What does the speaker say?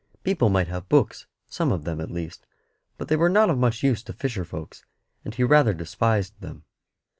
People might have books, some of them, at least, but they were not of much use to fisher folks, and he rather despised them.